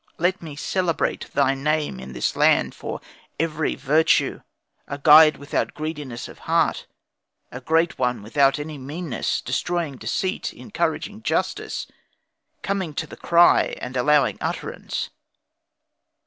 Let me celebrate thy name in this land for every virtue. A guide without greediness of heart; A great one without any meanness. Destroying deceit, encouraging justice; Coming to the cry, and allowing utterance.